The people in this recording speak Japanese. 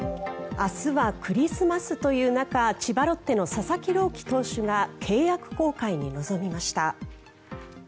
明日はクリスマスという中千葉ロッテの佐々木朗希投手が契約更改に臨みました。